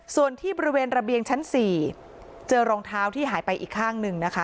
ส่วนที่บริเวณระเบียงชั้น๔เจอรองเท้าที่หายไปอีกข้างหนึ่งนะคะ